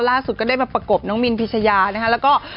ล่าสุดก็ได้มาประกบน้องมินพิชญานะครับ